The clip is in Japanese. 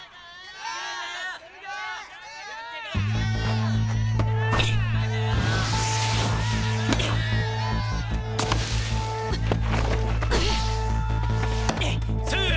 あっ。